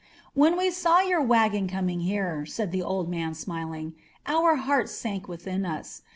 "When we saw your wagon coming here,*' said the old man, smiling, "our hearts sank within us.